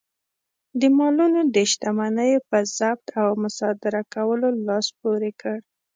د مالونو او شتمنیو په ضبط او مصادره کولو لاس پورې کړ.